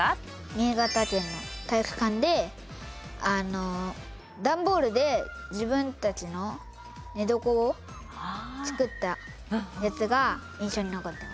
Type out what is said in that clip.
新潟県の体育館で段ボールで自分たちの寝床を作ったやつが印象に残ってます。